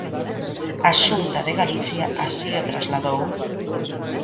A Xunta de Galicia así o trasladou.